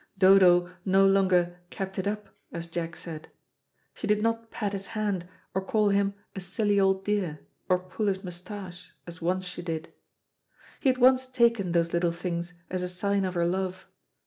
Dodo no longer "kept it up," as Jack said. She did not pat his hand, or call him a silly old dear, or pull his moustache, as once she did. He had once taken those little things as a sign of her love.